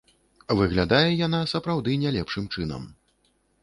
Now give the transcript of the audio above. Выглядае яна, сапраўды, не лепшым чынам.